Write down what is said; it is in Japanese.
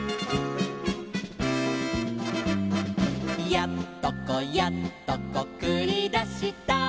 「やっとこやっとこくりだした」